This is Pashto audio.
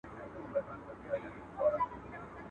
څوك به ګوري پر رحمان باندي فالونه.